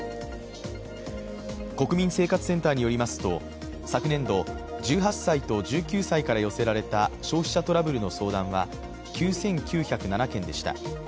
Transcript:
国民生活センターによりますと昨年度、１８歳と１９歳から寄せられた消費者トラブルの相談は９９０７件でした。